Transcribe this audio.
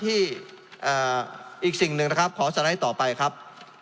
อีกสิ่งหนึ่งนะครับขอสไลด์ต่อไปครับ